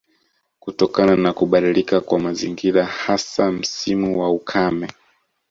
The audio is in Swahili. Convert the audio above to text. Kutokana na kubadilika kwa mazingira hasa msimu wa ukame